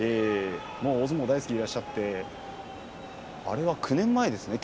大相撲大好きでいらっしゃってあれは９年前ですね